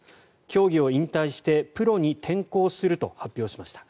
競技を引退してプロに転向すると発表しました。